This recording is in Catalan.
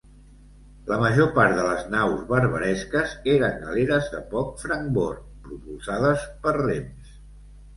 La major part de les naus barbaresques eren galeres de poc francbord, propulsades per rems.